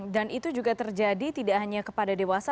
dan itu juga terjadi tidak hanya kepada dewasa